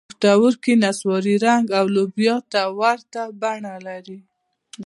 پښتورګي نسواري رنګ او لوبیا ته ورته بڼه لري.